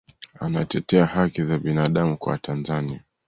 anatetea haki za binadamu kwa watanzania